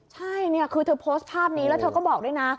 ใช่เนี่ยคือเธอโพสต์ภาพนี้แล้วเธอก็บอกด้วยนะ